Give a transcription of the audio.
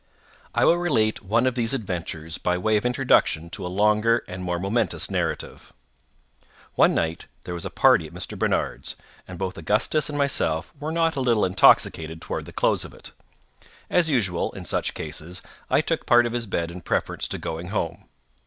I will relate one of these adventures by way of introduction to a longer and more momentous narrative. One night there was a party at Mr. Barnard's, and both Augustus and myself were not a little intoxicated toward the close of it. As usual, in such cases, I took part of his bed in preference to going home.